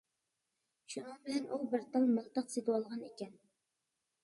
شۇنىڭ بىلەن ئۇ بىر تال مىلتىق سېتىۋالغان ئىكەن.